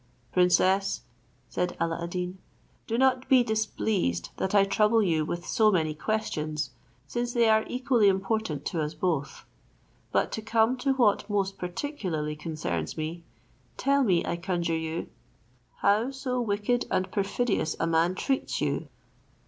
"Princess," said Alla ad Deen, "do not be displeased that I trouble you with so many questions, since they are equally important to us both. But to come to what most particularly concerns me; tell me, I conjure you, how so wicked and perfidious a man treats you?"